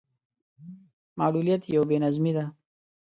معلوليت يو بې نظمي ده.